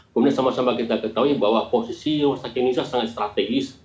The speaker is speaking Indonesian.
kemudian sama sama kita ketahui bahwa posisi rumah sakit indonesia sangat strategis